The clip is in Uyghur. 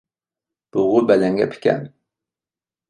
بۇغۇ بەلەن گەپ ئىكەن.